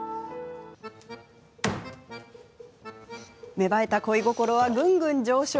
芽生えた恋心は、ぐんぐん上昇。